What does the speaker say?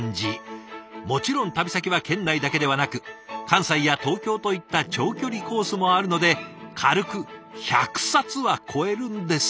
もちろん旅先は県内だけではなく関西や東京といった長距離コースもあるので軽く１００冊は超えるんですって。